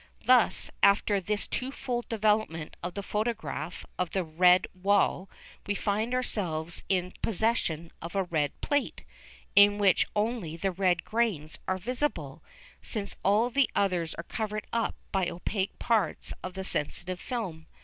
Thus, after this twofold development of the photograph of the red wall, we find ourselves in possession of a red plate, in which only the red grains are visible, since all the others are covered up by opaque parts of the sensitive film.